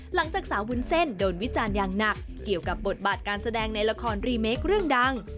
หลังจากสาววุ้นเส้นโดนวิจารณ์อย่างหนักเกี่ยวกับบทบาทการแสดงในละครรีเมคเรื่องดัง